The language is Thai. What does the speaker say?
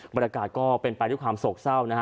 บรรยากาศก็เป็นไปด้วยความโศกเศร้านะฮะ